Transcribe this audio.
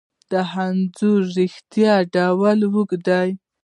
د انځر ریښې ډیرې اوږدې وي.